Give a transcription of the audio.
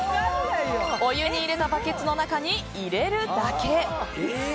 お湯を入れたバケツの中に入れるだけ。